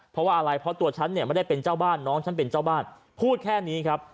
เพราะว่าอะไรเพราะตัวฉันเนี่ยไม่ได้เป็นเจ้าบ้านน้องฉันเป็นเจ้าบ้านพูดแค่นี้ครับ